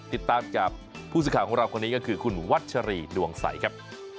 ติดตามจากผู้สื่อข่าวของเราคนนี้ก็คือคุณวัชรีดวงใสครับ